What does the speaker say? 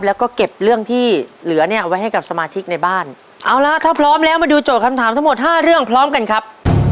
แล้วก็เก็บเรื่องที่เหลือเนี่ยไว้ให้กับสมาชิกในบ้านเอาล่ะถ้าพร้อมแล้วมาดูโจทย์คำถามทั้งหมดห้าเรื่องพร้อมกันครับ